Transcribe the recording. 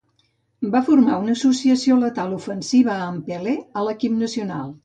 Va formar una associació letal ofensiva amb Pelé a l'equip nacional.